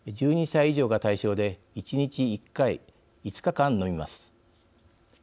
１２歳以上が対象で１日１回、５日間、飲みます。